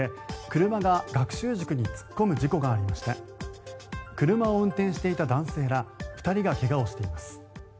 車を運転していた男性ら２人が怪我をしています。